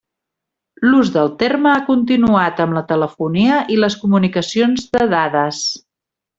L'ús del terme ha continuat amb la telefonia i les comunicacions de dades.